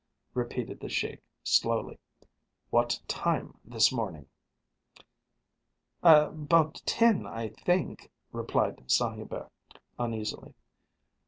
repeated the Sheik slowly. "What time this morning?" "About ten, I think," replied Saint Hubert uneasily.